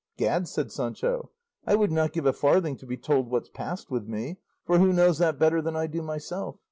"Gad," said Sancho, "I would not give a farthing to be told what's past with me, for who knows that better than I do myself?